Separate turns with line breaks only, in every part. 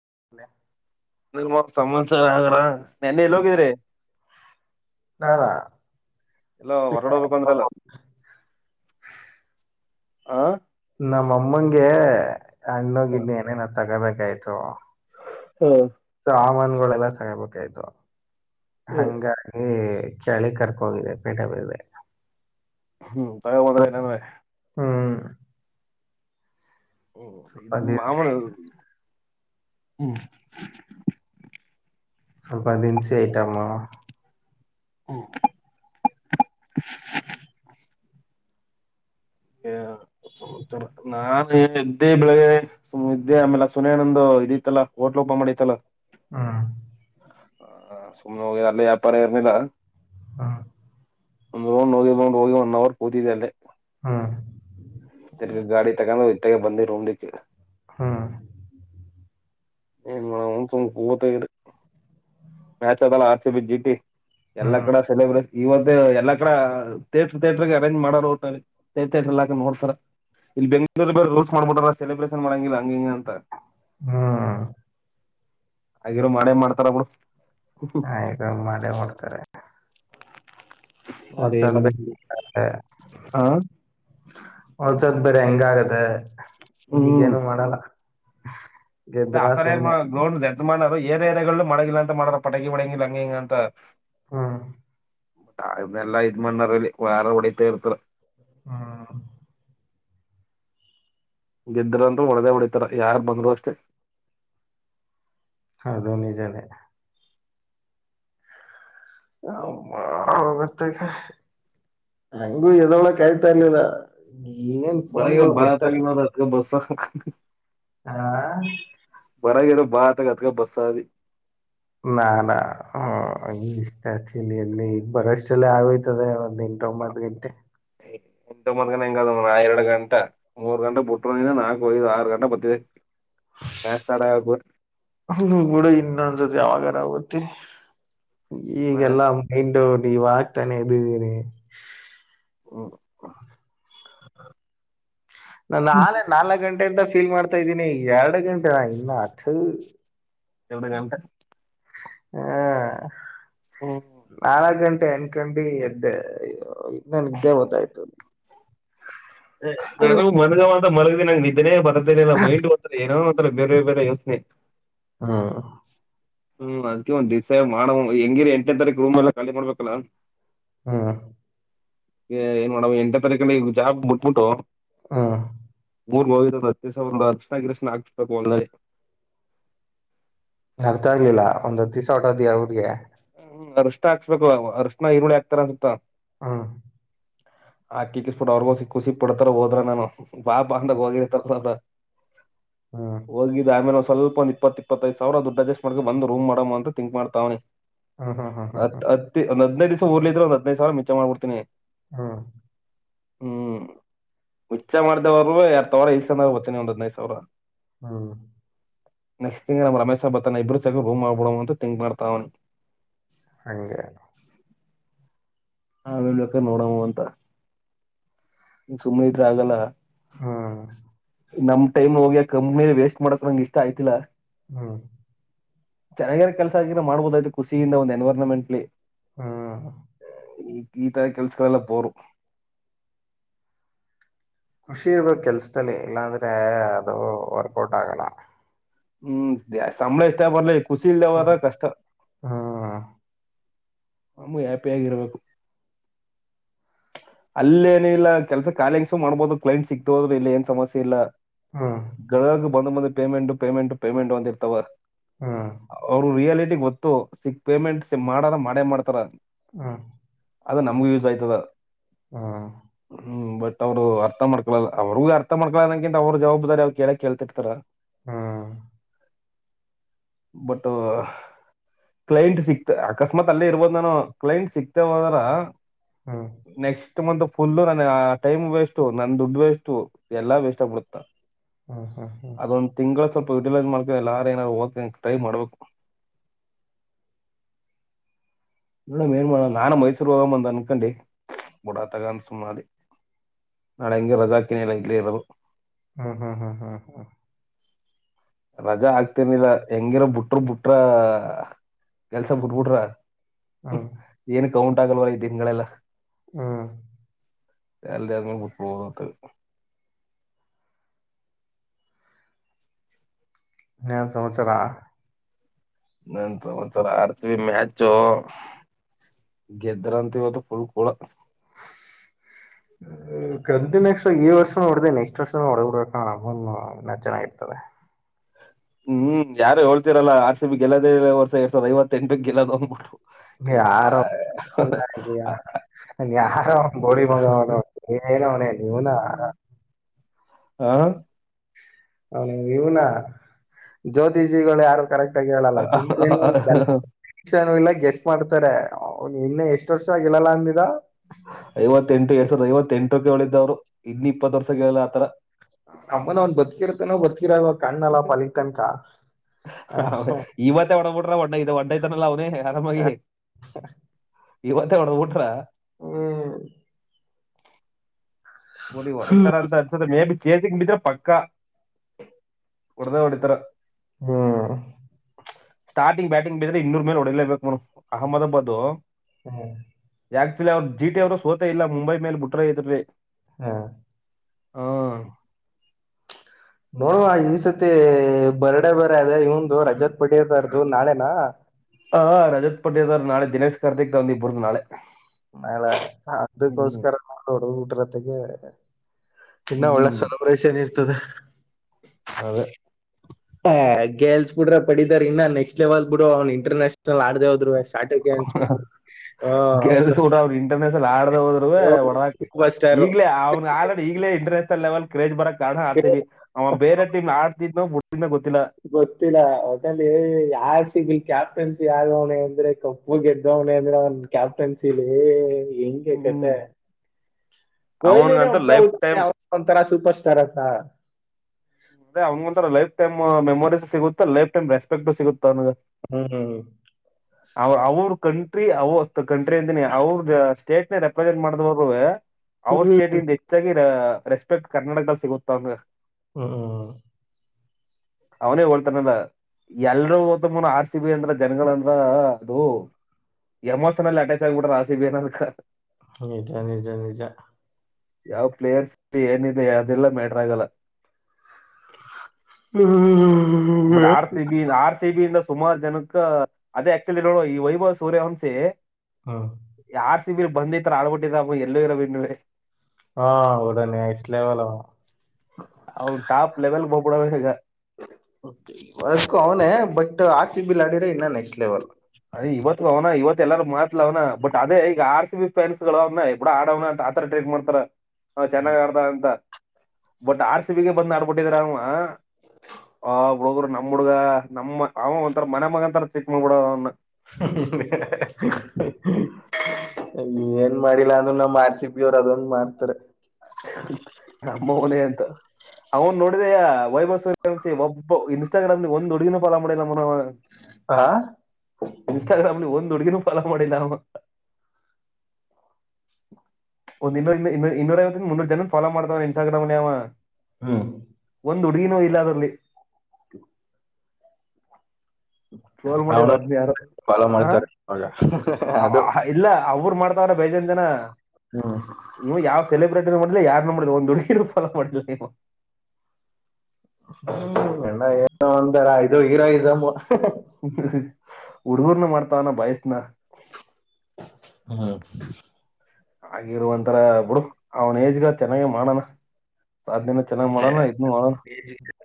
[unintelligible]
ನಿಮ್ಮ ಅಮ್ಮನ ಸಲುವಾಗಿ ಆಗದ್ರೆ ನಿನ್ನೆ ಎಲ್ಲಿ ಹೋಗಿದ್ರಿ
ಹಾ
ಎಲ್ಲ ಹೊರಗಡೆ ಹೋಗಬೇಕು ಅಂದ್ರಲ್ಲ ಆ
ನಮ್ಮಮ್ಮಂಗೆ
ಹಾ
ಹಣ್ಣುಗಿನ್ನೂ ಏನೇನ ತಗೋಬೇಕಾಯ್ತು
ಹ್ಮ
ಸಾಮಾನಗಳೆಲ್ಲ ತಗೋಬೇಕಾಯ್ತು ಹಂಗಾಗಿ ಚಳಿ ಕರ್ಕೊ ಹೋಗಿದೆ ಪೇಟ
ಹ್ಮ್ ತಕೊಬಂದ್ರ ಎಲ್ಲಾನುವೆ
ಹ್ಮ್
ಹ್ಮ್
ಸ್ವಲ್ಪ
ಇದು
ದಿನಸಿ
ಮಾಮೂಲ್ ಹ್ಮ
ಸ್ವಲ್ಪ ದಿನಸಿ ಐಟಂ
ಹ್ಮ ಹು ನಾನ ಇದ್ದೆ ಬೆಳಿಗ್ಗೆ ಸುಮ ಇದ್ದೆ ಆಮೇಲೆ ಸುನಿ ಅಣ್ಣಾದು ಇದಿತ್ತಲ್ಲಾ ಹೋಟ್ಲು ಓಪನ್ ಮಾಡಿತಲ್ಲ
ಹ್ಮ
ಹ ಸುಮ್ನೆ ಹೋಗಿ ಅಲ್ಲಿ ವ್ಯಾಪಾರ ಇರ್ನಿಲ್ಲ
ಹ
ಒಂದ್ ರೌಂಡ್ ಹೋಗಿ ಬಂದ್ ಹೋಗಿ ಬಂದ್ ಒನ್ ಹೌರ ಕೂತಿದ್ದೆ ಅಲ್ಲೇ
ಹ್ಮ್
ತಿರ್ಗ ಗಾಡಿ ತಕೊಂಡುಈತಗ್ಗೆ ಬಂದಿ ರೂಮ್ಲಿದಿಕ್ಕೆ
ಹಾ
ಏನ್ ಮಾಡಮ್ ಸುಮ್ನೆ ಕೂತಿದ್ದೆ ಮ್ಯಾಚ್ ಅದಲ್ಲ R C B G T ಎಲ್ಲಾ
ಹ್ಮ್
ಕಡೆ ಸೆಲೆಬ್ರೇಶನ್ ಇವತ್ತು ಎಲ್ಲಾ ಕಡ ತೇಟ್ರರ್ ಥೇಟರ್ಗೆ ಅರೇಂಜ್ ಮಾಡ್ ಊಟ ೇ ತೇಟ್ರ ಹಾಕ ನೋಡ್ತಾರ ಇಲ್ಲಿ ಬೆಂಗಳೂರ ಬ ರೂಲ್ಸ್ ಮಾಡ್ಬಿಟ್ರ ಸೆಲೆಬ್ರೇಷನ್ ಮಾಡಂಗಿಲ್ಲ ಹಂಗಿಂಗ ಅಂತ
ಹ್ಮ್
ಹಾಗಿರ ಮಾಡೇನ್ ಮಾಡ್ತಾರಬಳ
ಹಾ ಈಗ ಮಾಡೆ ಮಾಡಡ್ತಾರೆ
ಆದೆ [unintelligible]
ಬೇರೆ
ಆ
ಒಲ್ಸದ ಬೇಡ ಹೆಂಗ ಆಗದೆ ಈಗೇನು ಮಾಡಲ್ಲ
ಅದ
ಗೆದ್ರ
ಆತರ ಏನ್
ಸುಮ್ನೆ
ಗ್ರೌಂಡ್ ಎದ್ ಮಾಡಾರ ಏರ್ ಏರಾಗ್ು ಮಾಡಗಿಲ್ಲ ಅಂತ ಮಾಡಾರ ಪಟಗಿ ಮಡಂಗಿಿಲ್ಲ ಹಂಗಿಂಗ ಅಂತ
ಹಾ
ಅನ್ನೆಲ್ಲಾಐ್ ಮಣ್ಣರಲ್ಲಿ ವಾರ ಹೊಡತಾ ಇರ್ತಾರ
ಹಾ
ಗೆದ್ದ್ರಂತೂ ಹೊಡೆದ ಹೊಡಿತಾರ ಯಾರ್ು ಬಂದರು ಅಷ್ಟೆ
ಹದೋ ನಿಿಜಾನೇ ಹೋಗತ್ತೇಕ ಹಂಗು ಎದೊಳ ಕಾಯ್ತಾ ಇಲಿಲ್ಲ
ಬ ಬಾರ ತಾರ ಮಾಡ ಹತ್ತುಗ ಬಸ
ಹಾ
ಬಾತ ಗತಕ ಬಸ್ಸಿ
ನ ನ ಹ ಈಷ್ಟ ಇ ಎಲ್ಲಿ ಈಗ ಬರೋಷ್ಟಲ್ಲ ಆಗೋಯ್ತದೆ ಒಂದ್ ಎಂಟು ಒಂಬತ್ತು ಗಂಟೆ
[inaudible] ಮ್ಕ ಹೆಂಗ ಎರಡು ಗಂಟ ಮೂರ್ ಗಂಟೆ ಬಿುಟ್ಟರು ನಾಲ್ಕು ಐದು ಆರು ಗಂಟ ಬರ್ ಮ್ಯಾಸ್ತಡಬು
ಹ ಕೂಡ ಇನ್ನ ಅಸ ದಾವಗರಾವತ್ತ
ಮ್ಯಾಚ್
ಈಗೆಲ್ಲಾ ಮೈಂಡ್ ನೀವಾಗಗ್ತಾನೆ ಇದ್ದಿದ್ದೀರಿ
ಹ್ಮ ಹ
ನಾೆ ನಾಲ್ಕ್ ಗಂಟೆಿಂದ ಫೀಲ್ ಮಾಡ್ತಾ ಇದ್ದೀನಿ ಎರಡು ಗಂಟೆ ಇನ್ನು ಹತ್
ಎವಡು ಗಮಟ
ಹ್ಮ
ಹ್ಮ್.
ನಾಲ್ಕು ಗಂಟೆ ಅ ಅನ್ಕಂಡಿ ಎದ್ದೆ ನನ್ ಇದ್ದೇ ಗೊತ್ತಾಯ್ತು
ನನಗು ಮನ್ಗವ ಅಂತ ಮಲಗ್ದಿ ನಂಗಗೆ ನಿದ್ದೇ ಬರದೇನಿಲ್ಲ ಮೈಂಡ್ ಗ ಏನೋ ಬೇರೆ ಬೇರೆ ಯೋಸ್್ನೆ
ಹಾ
ಹ್ಮ್ ಅದಕ ಒಂದ ದಿವ್ ಮಾಡ ಹೆಂಗಿರಿ ಎಂಟ ಎಂ ತಾರೀಕು ರೂಮ್ ಎಲ್ಲ ಖಾಲಿ ಮಾಡ್ಬೇಕಲ್ಲ
ಹಾ
ಏನ್ ಮಾಡೋಡ ಎಂಟೇ ತಾರೀಕಲ್ಲಿ ಜಾ ಬಿಟ್ಬಿಟ್ಟು
ಹಾ
ಮೂರ್ ಮವಿಿದ ಅತ್ಯಾಸ ಒಂದ ಅರ್ಶನರಕ್ಷಣ ಆಕ್ಿಸ್ಬೇಕು ಒಂದೇ
ಅರ್ಥ ಆಗ್ಲಿಲ್ಲ ಒಂದ ದಸ ಹೊಟೋದಿಯಾ ಅವ್ರಿಗೆ
ಹ್ಮ್ ಅರ್ಶ ಹಾಕ್ಸ್ಬೇಕು ಅರ್ಶ್ಣ ಈರುಳ್ಳಿ ಹಾಕ್ತಾರ ಅಸುತ್ತ
ಹಾ
ಆಾಕಿಕ್ಕಿಸಸ್ಬಿಟ್ಟ ಅವ್ರಿಗ ಹೊಸ ಖಸಿ ಪ ಬಿಡ್ತಾರ ಹೋದ್ರ ನಾನು ಬಾ ಬ ಅಂದಾಗ ಹೋಗಿತ
ಹ್ಮ್
ಹೋಗಿದ್ದು ಆಮೇಲೆ ಸ್ವಲ್ ಒಂದ ಇಪ್ಪತ್ತ ಇಪ್ಪತ್ತೈದು ಸಾವಿರ ದುಡ್ಡು ಅಜಸ್ಟ್ ಮಾಡ ಬಂದು ರೂ್ ಮಾಡ ಅಂತ ತಿಂಕ್ ಮಾಡತಾವಿ
ಹ್ಮ್ ಹ್ಮ್
ಹ
ಹ್ಮ್ ಹ್ಮ್
ಹತ್ತ ಒಂದ್ ಹದ್ನೈದು ದಿವ್ ಓರ್ಲಿಿದ್ರರು ಒಂದ್ ಹದಿನೈದು ಸಾವಿ ಮಂಚ ಮಾಡ್ಬಡ್ತನಿ
ಹಾ
ಹ್ಮ್ ಹಚ್ಚ ಮಾಡಿದವರು ಎರ ತಾವ್ರ ಇಸ್ಕೊಂಡಾಗ ಹತನ ಒಂದ್ ಹದ್ೈದು ಸಾವರ
ಹ್ಮ
ನೆಕ್ಸ್ಟ್ ತಿಂಗ್ ನಮ್ಮ ರಮೇಶಬ್ಬ ತನ್ನ ಇಬ್ರು ಸಕ ರೂಮ್ ಆಗ್ಬಡವ ಅಂತ ಥಂಕ್ ಮಾಡ್ತಾ ಅವನು
ಹಂಗಾ
ಹ ಹೇಳೇಳ್ಬೇಕ ನೋಡಮ್ಮ ಅಂತ ಸುಮ್ಮನೆ ಇದ್ರೆ ಆಗಲ್ಲ
ಹ್ಮ
ನಮ್ ಟೈಮ್ ಹೋಗಿ ಕಂನಿ ವೇಸ್ಟ್ ಮಾಡಕ ನಂಗ ಇಷ್ಟ ಆಯ್ತಿಾ
ಹ್ಮ
ಚೆನ್ನಾಗ ಕೆಲಸ ಆಗಿದ್ರೆ ಮಾಡ್ಬೋದ ಆ್ತು ಖುಷಿಯಿಂದ ಒ್ ಎನ್ವರನ್ಮೆಂಟ್ಲಿ
ಹಾ
ಈ ಈತ ಕೆಲ್ಸಗಳಲ್ಲ ಬೋರು
ಖುಷಿ ಇರ್ಬೇಕ ಕೆಲ್ಸದಲ್ಲಿ ಇಲ್ಲಾಂದ್ರೆ ಅದು ವರ್ಕೌಟ್ ಆಗಲ್ಲ
ಹ್ಮ್ ಸಂಬಳ ಇಷ್ಟ ಪಡ್ಲ ಖುಷಿ ಇಲ್ದವರ
ಹ್ಮ್
ಕಷ್ಟ
ಹ್ಮ್
ನಮೂ ಹ್ಯಾಪಿಿಯಾಗಿರ್ಬೇಕು ಅಲ್ಲೇನ ಇಿಲ್ಲ ಕೆಲ್ಸಾಲಿಂಗಸ ಮಾಡ್ಬೋದು ಕ್ಲೈಂಟ್ ಸಿಗ್ತ ಹೋದ್ರರು ಇಲ್ಲಿ ಏನ್ ಸಮಸ್ಯೆ ಇಲ್ಲ
ಹ್ಮ್
ಗಕ ಬಂದ್ ಬಂದ ಪೇಮೆಂಟ್ ಪೇಮೆಂಟ್ ಪೇಮೆಂಟ್ ಒಂದಿರ್ತವ
ಹ್ಮ್
ಅವರು ರಿಯಾಲಿಟಿ ಗೊತ್ತು ಸಿಗ್ ಪೇಮೆಂಟ್ ಸಿ ಮಾಡಾರ ಮಾಡೇ ಮಾಡ್ತಾರ
ಹಾ
ಅದ ನಮ್ಗೆ ಯೂಸ್ ಆಯ್ತದ
ಹಾ
ಹ್ಮ್ ಬಟ್ ಅವ್ರು ಅರ್ಥ ಮಾಡ್ಕೋಲ್ಲ ಅವ್ರರುಗೂ ಅರ್ಥ ಮಾಡ್ಕಳನಕಿಂತ ಅವ್ರ ಜವಾಬ್ದಾರಿ ಅವ್ ಕೇಳಕ್ ಕೇಳ್ತಿರ್ತಾರ
ಹ್ಮ
ಬಟ್ ಕ್ಲೈಂಟ್ ಸಿಕ್ತ ಅಕಸ್ಮಾತ್ ಅಲ್ಲೇ ಇರದು ನಾನ ಕ್ಲೈಂಟ್ ಸಿಕ್ತೇದರ
ಹ್ಮ್
ನೆಕ್ಸ್ಟ್ ಫುಲ್ಲು ನ ಆ ಟೈಮ್ ವೇಸ್ು ನನ್ ದುಡ್ಡು ವೇಸ್ಟು ಎಲ್ಲಾ ವೇಸ್ಟ್ ಆಗ್ಬಿಡುತ್ತ
ಹ್ಮ ಹ್ಮ ಹ್ಮ್
ಅದೊಂದ್ ತಿಂಗಳ ಸ್ವಲ್ಪ ಇಡ್ಲ್ ಮಾಡ್ಕಲ್ಲ ಯಾರ ಏನಾರರು ಹೋಗ ಟ್ರೈ ಮಾಡ್ಬೇಕು ಟ್ ನಡಮ್ ಏನ್ ಮಾಡ ನಾನು ಮೈಸೂರು ಹೋಗ ಬಂದ ಅನ್ಕೊಂಡಿ ಬುಡಾ ತಗ ಅಂತ ಸುನ ಅಲ್ಲಿ ನಾಡಂಗು ರಜಾಕ ನಲೆಯಲ್ಲಿರರು
ಹ್ಮ್ ಹ್ಮ್ ಹ್ಮ್ ಹ್ಮ್ ಹ್ಮ್
ರಜಾ ಆಗ್ತೇನಿಲ್ಲ ಹೆಂಗಿರ ಬಿಟ್ರ ಬಿಟ್ರ ಕೆಲ್ಸ ಬಿಟ್ಬಿಟ್ರ
ಹ್ಮ್
ಏನ್ ಕೌಂಟ್ ಆಗಲ್ವ ಈ ತಿಂಗಳೆಲ್ಲ
ಹ್ಮ
ಎಲ್ಲಂಗಬೋಗತ್ತು
ತ ಹಚರ
ನಂತ ಒತರ ಆರ್ತೀವಿ ಮ್ಯಾಚು ಗೆದ್ದ್ರ ಅಂತವದು ಫುಲ್ ಕೂಳ
ಕ್ದ ನೆಸ್ ಈ ವರ್ಷ ನೋಡ್ದ ನೆಕ್ಸ್ಟ್ ವರ್ಷ ಹೊಡಗಡ್ಬೇಕ ಚೆನ್ನಾಗಿರ್ತದೆ
ಹ್ಮ್ ಯಾರು ಹೇಳ್ತಿರಲ್ಲ ಆರ್ ಸಿ ಬಿ ಲ್ಲದೇರ್ಷ ಎರಡ್ ಸಾವ್ರದ ಐವತ್ತ ಎಂಟ ಬ ಗೆಲ್ಲೋ್ಂದ್ಬಿಟ್ಟು ಯಾರ
ಒಿಯ ಯಾರ ಬೋಳಿ ಬಂಗ ಏನ ಅವ ನೀವನ
ಹ
ಅವ ಇವನಾ ಜೋತಿ ಜ ಯಾರು ಕರೆಕ್ಟ್ ಆಗಿ ಹೇಳಲ್ಲ ಸುಮ್ ಇಲ್ಲ ಗೆಸ್ಟ್ ಮಾಡ್ತಾರೆ ಅವ್ನ ಇನ್ನ ಎಷ್ಟ್ ವರ್ಷ ಆಗಿಲ್ಲಲ್ಲ ಅಂದಿದ
ಐವತ್ತ ಎಂಟು ಎರಡ್ ಸಾವಿರದ ಐವತ್ತ ಎಂಟು ರೂಪಿಳ ಇದಿದ್ದವ್ರು ಇನ್ನು ಇಪ್ಪತ್ ವರ್ಷಗೆಲ್ಲ ಆತರ
ಅಮ್ಮನ ಅವ್ನ್ ಬದುಕಿರ್ತ ನ ಬ ಹಿರ ಕಣ್ಣ ಎಲ್ಲ ಪಲತನ್ಕ
ಒ ಇ ಒೊಂಡ ಐತಾನಲ್ಲ ಅವನೇ ಆರಾಮಾಗಿ ಇವತ್ತ ಹೊಡ ಉಂಟ್ರ
ಹ್ಮ್
ಹದ ಹೊಡಿತರ ಅಂತ ಅನ್ಸದೆೆ ಮೇ ಬಿ ಚೇಸ ಕ ಬಿಿದ್ರ ಪಕ್ಕ ಹೊಡದ ಹೊಡಿತಾರ
ಹ್ಮ್
ಸ್ಟಾರ್ಟಿಂಗ್ ಬ್ಯಾಟಿಂಗ್ ಬಿದ್ರೆ ಇನ್ನೂರ್ ಮೇಲೆ ಒಡಿಲೇಬೇಕು ಮ್ ಅಹಮದಾಬಾದ್
ಹ್ಮ್
ಯಕ್ಚುಲಿ ಅವ್ರ ಜಿಟಿ ಅವರರು ಸೋತ ಇಲ್ಲ ಮುಂಬೈ ಮೇಲೆ ಬಿುಟ್ಟ್ರ ಐತ್ರಿ
ಹಾ
ಹ್ಮ
ನೋಡುವ ಈ ಸತಿ ಬರ್ಡ್ಡೇ ಬೇರೆ ಅದೇ ಇವಂದು ರಜತ್ ಪಟ್ಟಿದ್ದಾರದು ನಾಳೆನಾ
ಹ ರಜತ್ ಪಟ್ಟಿದಾರಧು ನಾಳೆ ದಿನೇಶ್ ಕಾರ್ತಿಕ್ ದು ಇಬ್ರದ ನಾಳೆ
ನಾಳೆ
ಹ್ಮ್
ಅದಕ್ಕೋಸ್ಕರ ನೋೋಡು ಊಟ್ರತೆಗೆ ಇನ್ನ ಒಳ್ಳೆ
ಹ್ಮ್
ಸೆಲೆಬ್ರೇಷನ್ ಇರ್ತದೆ
ಅದೇ
ಹ ಗೇಲ್ಸ್ ಬಿಡ್ರೆ ಪಡಿದಾರ ಇನ್ನಾ ನೆಕ್ಸ್ಟ್ ಲೆವೆಲ್ ಬಿಡು ಅವ್ನು ಇಂಟರ್ನ್ಯಷನಲ್ಡೇ ಹೋದ್ರು ಅಷ್ಟ ಚಟ ಹ
ಅವರು ಇಂಟರ್ನ್ೇಷನಲ್ ಆಡದ ಹೋದರು ಒಡದಾಕ್ಲಿ
ಸೂಪರ್ ಸ್ಟಾರ್
ಈಗಲೇ ಅವ್ ಆಲ್ರೆಡಿ ಈಗ್ಲೇ ಇಂಟ್ರ ಲೆವೆಲ್ ಕ್ರೇಜ್ ಬರಕ್ ಕ ಕಾರಣ ಹ ಆರ್‌ಸಿಬಿ ಅವ ಬೇರೆ ಟೀಮ್ ಆಡ್ತಿದ್ ಗೊ
ಗೊತ್ತಿಲ್ಲ ಹೋಟೆಲ್ ಯಾರ್ ಸಿಗ್ಲಿ ಕ್ಯಾಬ್ ಕ್ಟನ್ಸಿ ಯ್ದವಣೆ ಅಂದ್ರೆ ಕಪ್ಪು ಗೆದ್ದವನೆ ಅಂದ್ರೆ ಅವ್ನ್ ಕ್ಯಾಪ್ಟನ್ಸಿಲಿ
ಹ್ಮ್
ಹೆಂಗೇಕತೆ ಕೊಹ್ಲಿನೇ
ಅವನ್ಗಂತ
ಒಪ್ಪಕ
ಲೈಫ್ ಟೈಮ್
ಹ್ರ ಒಂಥರ ಸೂಪರ್ ತರ
ಅದ್ ಒಂರ ಲೈಫ ೈಮ್ ಮೆಮೊರೀು ಸಿಗುತ್ತ ಲೈಫ ಟೈಮ್ ರೆಸ್ಪೆಕ್ಟ್ ಸಿಗುತ್ತತ್ತ ಅವನಗೆ
ಹ್ಮ್ ಹ್ಮ್ ಹ್ಮ್
ಅವ ಅವರು ಕಂಟ್ರಿ ಅವ ಕಂಟ್ರಿ ಅಂತನಿ ಅವ್ರ ಸ್ಟೇಟ್ ನ ರೆಪ್ರೆಸೆಂಟ್ ಮಾಡಿದವರು ಅವ ಸ್ಟೇಟ್ ಇಂದ ಹೆಚ್ಚಾಗಿ ರೆಸ್ಪೆಕ್ಟ್ ಕರ್ನಾಟಕ ಧಲ್ಲಿ ಸಿಗುತ್ತಂದ
ಹ್ಮ ಹ್ಮ
ಅವನೇ ಹೋಳ್ತಾನಲ್ಲ ಎಲ್ರುೂಗು ಗೊತ್ತು ಆರ್ಸ ಬಿ ಅಂದ್ರ ಜನ್ಗಳಂದ್ರ ಅದು ಎಮೋಷನಲ್ ಅಟ್ಯಾಚ್ ಆಗ್ಬಿಟ್ಟವ್ರ ಆರ್ಸಿಬಿ ಅನ್ನೋದ್ಕ
ನಿಜ ನಿಜ ನಿಜ
ಯಾವ್ ಪ್ಲೇಯರ್ಸ್ ಏನಿದೆ ಅದೆಲ್ಲ ಮ್ಯಾಟ್ರ ಆಗಲ್ಲ
ಹ್ಮ್್ಮ್ಮ
ಬ R C B R C ಇಂದ ಸುಮಾರು ಜನಕ್ಕ ಅದೇ ಆಕ್ಚುಲಿ ನೋಡುವ ಈ ವೈಭವ ಸೂರ್ಯ ವಂಶಿ
ಹಾ
ಬಂದಿ ತರ ಆಡ್ಬಿಟ್ಟಿರ ಎಲ್ಲೂ ಇರೋದು ಇನ್ನುವೇ
ಹಾ ಒಳ್ಳೆ ನೆಕ್ಸ್ಟ್ ಲೇಬಲ್ ಹವಾ
ಅವ್ನ್ ಟಾಪ್ ಲೆವೆಲ್ ಹೋಗ್ಬಿಡವ ಈಗ
ಫಸ್ಟ್ ಅವನೇ ಅವನ ಬಟ್ ಆರ್ ಸಿ ಆಡಿದ್ರೆ ಇನ್ನ ನೆಕ್ಸ್ಟ್ ಲೆವೆಲ್
ಅದ ಇವತ್ತು ಅವನ ಇವತ್ತು ಎಲ್ಲಾರ ಮಾತ್ಲವ್ನ ಬಟ್ ಅದೇ ಈಗ ಆರ್ ಸಿ ಬಿ ಫನ್ಸ್ಗಳು ಅವನ ಎಬಡಾ ಆಡವ್ ಅಂತ ಆತರ ಟ್ರೇಟ್ ಮಾಡ್ತಾರ ಹ ಚೆನ್ನಾಗ್ ಪ್ರಾರ್ಥನಾ ಅಂತ ಬಟ್ ಆರ್ ಸಿ ಬಿಿಗೆ ಬಂದ್ ಆಡ್ಬಿಟ್ಟಿದ್ರ ಅ ಆ್ ಬುಡು ಗುರು ಹುಡಗ ನಮ್ಮ ಹುಡ್ಗ ನಮ್ಮ ಅವ ಒಂತರ ಮನೆ ಮಗ ಅಂತಾ ಟ್ರೀಟ್ ಮಾಡಬಿಟ್ಟಾರ ಅವ್ನ
ಹ್ಮ ಏನ್ ಮಾಡಿಲ್ಲಾ ಅಂದ್ರು ನಮ್ಮ ಆರ್ಸಿಬಿ ಅವರು ನಾ ಮಾಡ್ಸಿದ ಅವ್ರ ಅದೊಂದ ಮಾಡ್ತಾರೆ
ನಮ್ಮ ಮನ ಅಂತ ಅವನ್ ನೋಡಿದಯ ವೈಭವ್ ಸೂರ್ಯವಂಶಿ ಒಬ್ಬ ಇನ್ಸ್ಟಾಗ್ರಾಮ್ ಒಂದ್ ಹುಡುಗಿನ ಫಾಲೋ ಮಾಡಿಲ್ಲ ಮನು
ಹ
ಇನ್ಸ್ಟಾಗ್ರಾಮ್ ಲೀ ಒಂದು ಹುಡುಗಿ [inaudible] ಪಲ ಒಂದ ಇ ಇ ಇನ್ನೂರ ವ ಮುನ್ನೂರು ಜನ ಫಾಲೋ ಮಾಡ್ತವ ಇನ್ಸ್ಟಾಗ್ರಾಮ ಯ ಅವ
ಹ್ಮ
ಒಂದು್ ಹುಡುಗಿನೋ ಇಲ್ಲ ಅದ್ರಲ್ಲಿ ಸೋಲ್ ಮಾಡಿದ್ರು
ಅವನು
ಅದ್ನ್ ಯಾರೊ
ಫಾಲೋ
ಹ
ಮಾಡ್ತಾರೆ ಇವಾಗ
ಹ
ಅದು
ಹ ಇಲ್ಲ ಅವ್ರ್ ಮಾಡ್ ತುಂಬಾ ಅವ್ರೆ ಬೇಜಾನ್ ಜನ
ಹ್ಮ್
ಇವ್ ಯಾವ್ ಸೆಲೆಬ್ರಿಟಿ ಇಲ್ಲೇ ಯಾರ್ನು ಮಾಡಿಲ್ಲ ಒಂದುಡುಗಿನು ಫಾಲೋ ಮಾಡಿಲ್ಲ ನೀ.
ಹ್ಮ್ ಅಣ್ಣ ಏನೊ ಒಂತರ ಇದು ಹೀರೋಯಿಸ್ಮ್.
ಹಃ ಹ ಹುಡ್ಗುರುನು ಮಾಡ್ತಾವ್ನ ಬಯಸ್ನ.
ಹಾ
ಆಗಿರುವಂತರ ಬಿುಡು ಅವನ ಏಜ್ಗ ಚೆನ್ನಾಗ ಮಾಡಣ.
ಏ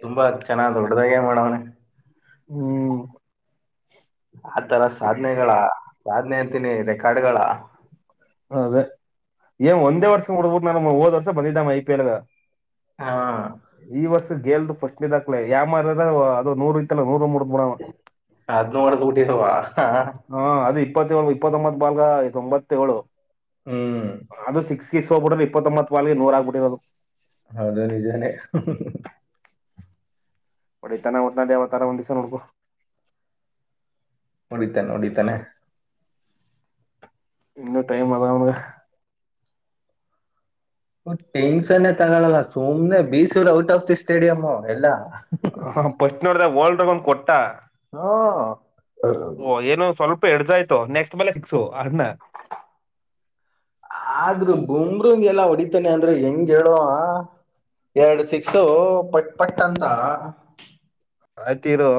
ತುಂಬಾ ಚೆನ್ನ ದೊಡ್ಡದಾಗೆ ಮಾಡವ್ನೆ.
ಹ್ಮ್
ಆ ತರ ಸಾದ್ನೆಗಳ ಸಾಧನೆ ಅಂತೀನಿ ರೆಕಾರ್ಡ್ಗಳ.
ಅದೇ ಏನ್ ಒಂದೇ ವರ್ಷ [unintelligible] ನ ಓದ್ ವರ್ ಬಂದಿದ್ದಮ್ಮ ಐ ಪಿ ಎಲ್ಗ್.
ಹಾ
ಗೆಲ್ದು ಫಸ್ಟ್ನೇ ದಕ್ಲೆ ಅಮರ್ದ್ರೆ ಅದು ನೂರು ಇತ್ತ ನೂರು ಮೂರು.
ಅದನ್ ಹೊಡ್ದು ಬುಟಿವ್ ಹ.
ಹಾ ಅದು ಇಪ್ಪತ್ತೇಳು ಇಪ್ಪತ್ತೊಂಬತ್ತು ಬಲ್ಗ್ ತೊಂಬತ್ತೇಳು.
ಹ್ಮ್
ತಿಸ್ಸೋ ಬಿಡ್ರೆ ಇಪ್ಪತೊಂಬತ್ ವಲ್ಗೆ ನೂರ ಆಗ್ಬಿಟಿರೋದು.
ಹೌದು ನಿಜಾನೇ.
ಹೊಡಿತಾನ ಒತ್ನಲ್ಲಿ ಯಾವತ್ತಾದ್ರೂ ಒಂದ್ ದಿವ್ಸ ನೋಡ್ಕೊ.
ಹೊಡಿತಾನ್ ಹೊಡಿತಾನೆ.
ಇನ್ನೂ ಟೈಮ್ ಅದ ಅವ್ನ್ಗ.
ಟೆನ್ಷನೆ ತಗೊಳಲ್ಲ ಸುಮ್ನೆ ಬೀಸುದ್ರೆ ಔಟ್ ಆಫ್ ದಿ ಸ್ಟೇಡಿಯಂ ಎಲ್ಲ.
ಹ ಫಸ್ಟ್ ನೋಡ್ದ ವರ್ಲ್ಡ್ರೊ ಕೊಟ್ಟಾ
ಹ್ಮ್.
ಓ ಏನೊ ಸ್ವಲ್ಪ ಎಡ್ ಜಾಯ್ತು ನೆಕ್ಸ್ಟ್ ಮೇಲೆ ಸಿಕ್ಸು. ಅಣ್ಣ
ಆದ್ರೂ ಬುಮ್ರಂಗೆಲ್ಲ ಒಟ್ ಇತ್ತನೆ ಅಂದ್ರೆ ಹೆಂಗ್ ಹೇಳುವ. ಎರ್ಡ್ ಸಿಕ್ಸು ಪಟ್ ಪಟಂತ.
ಆಯ್ತೀರು.